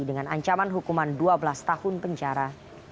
dengan ancaman hukuman dua belas tahun penjara